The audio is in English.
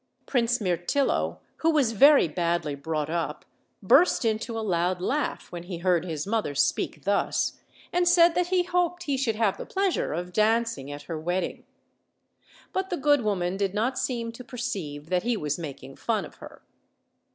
Prince Mirtillo, who was very badly brought up, burst into a loud laugh when he heard his mother speak thus, and said that he hoped he should have the pleasure of dancing at her wedding. But the good woman did not seem to perceive that he was making fun of her.